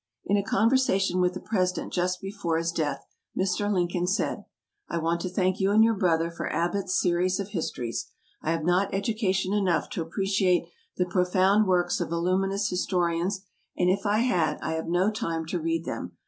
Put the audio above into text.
In a conversation with the President just before his death, Mr. Lincoln said: "_I want to thank you and your brother for Abbotts' Series of Histories. I have not education enough to appreciate the profound works of voluminous historians; and if I had, I have no time to read them.